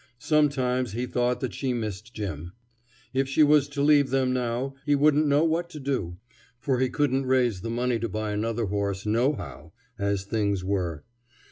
Sometimes he thought that she missed Jim. If she was to leave them now, he wouldn't know what to do, for he couldn't raise the money to buy another horse nohow, as things were.